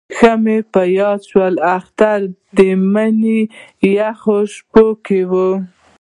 ښه مې په یاد شي اختر د مني په یخو شپو کې وو.